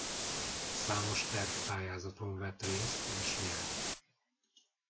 Számos tervpályázaton vett részt és nyert.